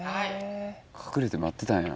隠れて待ってたんや。